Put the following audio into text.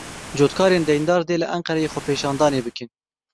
Cotkarên deyndar dê li Enqereyê xwepêşandanê bikin.